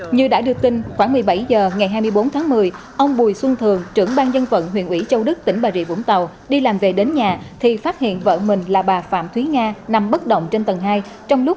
như đã đưa tin khoảng một mươi bảy h ngày hai mươi bốn tháng một mươi ông bùi xuân thường trưởng ban dân vận huyện ủy châu đức tỉnh bà rịa vũng tàu đi làm về đến nhà thì phát hiện vợ mình là bà phạm thúy nga nằm bất động trên tầng hai trong lúc